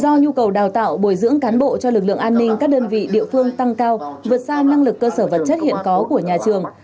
do nhu cầu đào tạo bồi dưỡng cán bộ cho lực lượng an ninh các đơn vị địa phương tăng cao vượt xa năng lực cơ sở vật chất hiện có của nhà trường